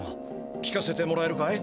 聞かせてもらえるかい？